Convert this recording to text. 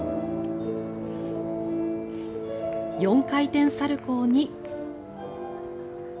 ４回転サルコウに。